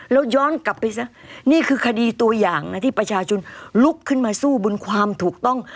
แล้วย้อนกลับไปซะนี่คือคดีตัวอย่างนะที่ประชาชนลุกขึ้นมาสู้บนความถูกต้อง